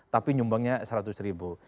tapi nyumbangnya seratus ribu